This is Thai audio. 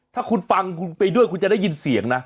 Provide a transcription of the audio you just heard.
ถ้าคุณฟังคุณไปด้วยคุณจะได้ยินเสียงนะ